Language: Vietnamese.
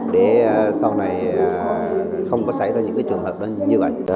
để sau này không có xảy ra những trường hợp như vậy